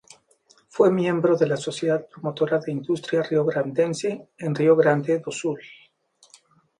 Fue miembro de la Sociedad Promotora de Industria Rio-grandense, en Rio Grande do Sul.